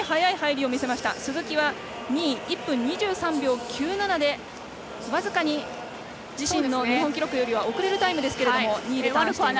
鈴木は２位、１分２３秒９７でわずかに自身の日本記録よりは遅れるタイムですが２位でターン。